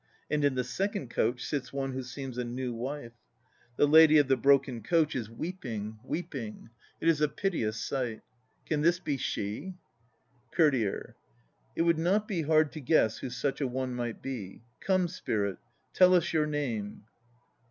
And in the second coach sits one who seems a new wife. 3 The lady of the broken coach is weep ing, weeping. It is a piteous sight. Can this be she? COURTIER. It would not be hard to guess who such a one might be. Come, spirit, tell us your name!